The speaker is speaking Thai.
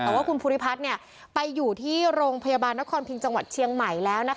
แต่ว่าคุณภูริพัฒน์ไปอยู่ที่โรงพยาบาลนครพิงจังหวัดเชียงใหม่แล้ว